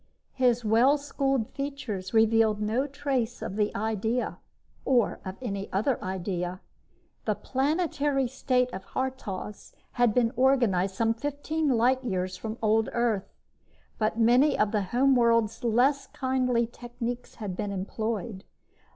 His well schooled features revealed no trace of the idea or of any other idea. The Planetary State of Haurtoz had been organized some fifteen light years from old Earth, but many of the home world's less kindly techniques had been employed.